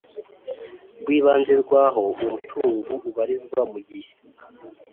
Rw ibanze rw aho uwo mutungu ubarizwa mu gihe